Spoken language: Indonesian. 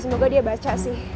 semoga dia baca sih